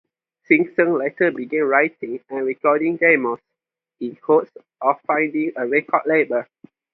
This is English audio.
Simpson later began writing and recording demos, in hopes of finding a record label.